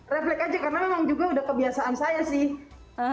refleks aja karena memang juga udah kebiasaan saya sih